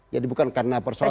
jadi bukan karena persoalan